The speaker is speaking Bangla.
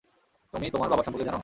তুমি তোমার বাবার সম্পর্কে জানো?